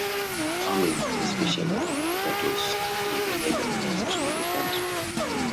Farming, especially of potatoes, is the major industry in the county.